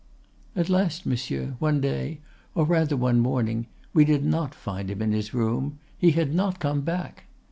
"'At last, monsieur, one day, or rather one morning, we did not find him in his room; he had not come back.